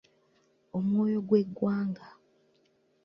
Omwoyo gwe ggwanga.